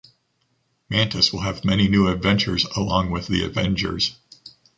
Mantis will have many new adventures along with the Avengers.